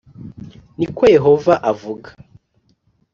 ni ko Yehova avuga